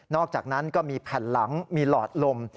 อกจากนั้นก็มีแผ่นหลังมีหลอดลม